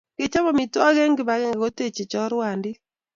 Kechop amitwogik eng kipakenge kotechei chorwandit